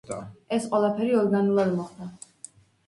ეს ყველაფერი ორგანულად მოხდა.